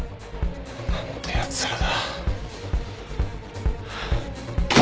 何てやつらだ。